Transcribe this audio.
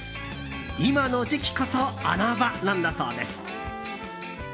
今の時期こそ穴場なんだそうです。